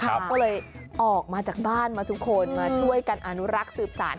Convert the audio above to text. ก็เลยออกมาจากบ้านมาทุกคนมาช่วยกันอนุรักษ์สืบสาร